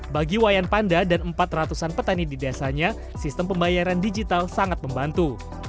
bagi wayan panda dan empat ratus an petani di desanya sistem pembayaran digital sangat membantu